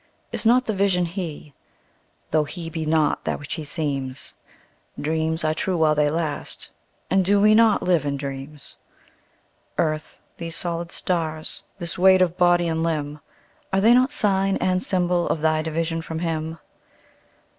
Is not the Vision He? tho' He be not that which He seems? Dreams are true while they last, and do we not live in dreams? Earth, these solid stars, this weight of body and limb, Are they not sign and symbol of thy division from Him?